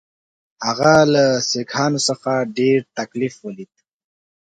هغه له سیکهانو څخه ډېر تکلیف ولید.